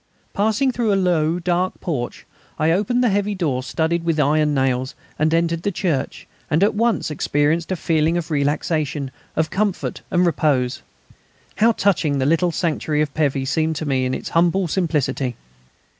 Passing through a low, dark porch, I opened the heavy door studded with iron nails, and entered the church, and at once experienced a feeling of relaxation, of comfort and repose. How touching the little sanctuary of Pévy seemed to me in its humble simplicity!